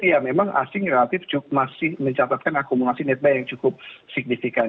ya memang asing relatif masih mencatatkan akumulasi netbuy yang cukup signifikan